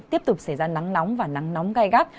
tiếp tục xảy ra nắng nóng và nắng nóng gai gắt